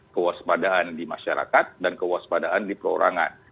kewaspadaan di masyarakat dan kewaspadaan di perorangan